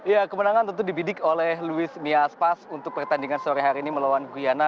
ya kemenangan tentu dibidik oleh luismia spas untuk pertandingan sore hari ini melawan guyana